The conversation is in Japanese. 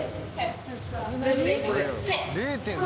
０．５？